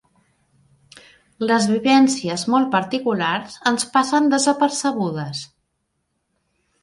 Les vivències molt particulars ens passen desapercebudes.